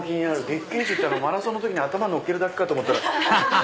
月桂樹ってマラソンの時に頭のっけるだけかと思ったら。